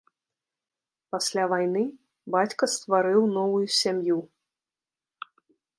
Пасля вайны бацька стварыў новаю сям'ю.